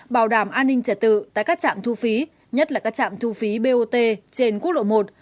bảo đảm an ninh trật tự tại các trạm thu phí nhất là các trạm thu phí bot trên quốc lộ một